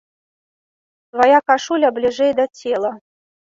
Свая кашуля бліжэй да цела.